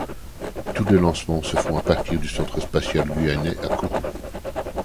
Tous les lancements se font à partir du Centre spatial guyanais à Kourou.